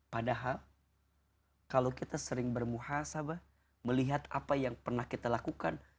padahal kalau kita sering bermuhasabah melihat apa yang pernah kita lakukan